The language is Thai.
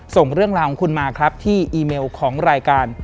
ส่งเรื่องราวของคุณมาครับที่อีเมลของรายการ